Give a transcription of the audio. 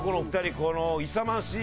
この勇ましい